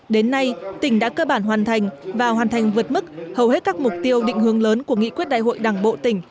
đến nay tỉnh đã cơ bản hoàn thành và hoàn thành vượt mức hầu hết các mục tiêu định hướng lớn của nghị quyết đại hội đảng bộ tỉnh